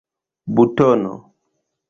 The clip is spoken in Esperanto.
butono